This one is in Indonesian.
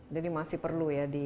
jadi masih perlu ya di